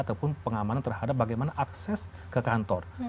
ataupun pengamanan terhadap bagaimana akses ke kantor